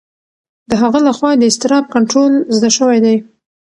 د هغه لخوا د اضطراب کنټرول زده شوی دی.